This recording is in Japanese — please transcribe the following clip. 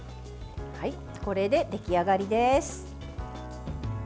これで出来上がりです。